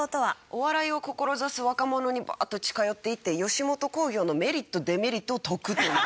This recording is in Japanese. お笑いを志す若者にバーッと近寄っていって吉本興業のメリットデメリットを説くという。